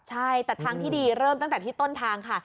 ใช่แต่ทางที่ดีเริ่มตั้งแต่ที่ต้นทางค่ะ